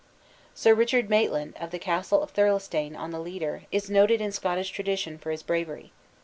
Sir Richard Maitland, of the castle of Thirlestane on the Leeder, is noted in Scottish tradition for his bravery.